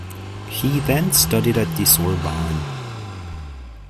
He then studied at the Sorbonne.